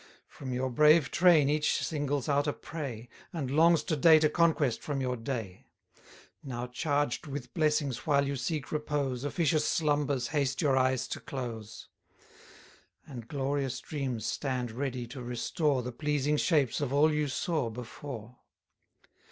From your brave train each singles out a prey, And longs to date a conquest from your day. 40 Now charged with blessings while you seek repose, Officious slumbers haste your eyes to close; And glorious dreams stand ready to restore The pleasing shapes of all you saw before.